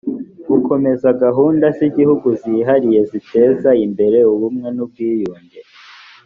gukomeza gahunda z’igihugu zihariye ziteza imbere ubumwe n’ubwiyunge